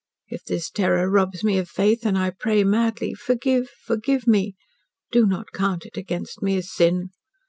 If this terror robs me of faith, and I pray madly forgive, forgive me. Do not count it against me as sin.